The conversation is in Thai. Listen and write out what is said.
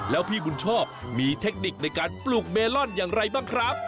แล้วพี่บุญชอบมีเทคนิคในการปลูกเมลอนอย่างไรบ้างครับ